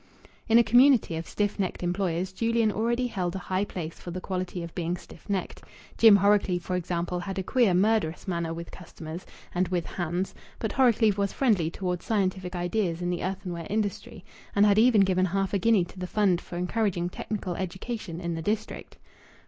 In a community of stiff necked employers, Julian already held a high place for the quality of being stiff necked. Jim Horrocleave, for example, had a queer, murderous manner with customers and with "hands," but Horrocleave was friendly towards scientific ideas in the earthenware industry, and had even given half a guinea to the fund for encouraging technical education in the district.